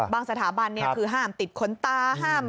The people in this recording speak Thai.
บางสถาบันคือห้ามติดขนตา